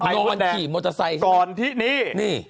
ก่อนที่นี่